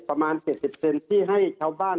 ประมาณ๗๐เปอร์เซ็นต์ที่ให้ชาวบ้าน